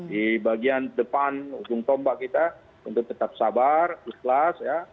di bagian depan ujung tombak kita untuk tetap sabar ikhlas ya